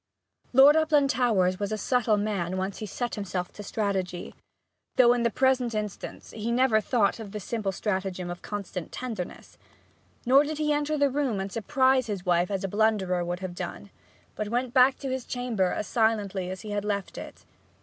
Lord Uplandtowers was a subtle man when once he set himself to strategy; though in the present instance he never thought of the simple stratagem of constant tenderness. Nor did he enter the room and surprise his wife as a blunderer would have done, but went back to his chamber as silently as he had left it.